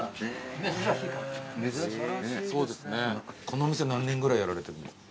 このお店何年ぐらいやられてるんですか？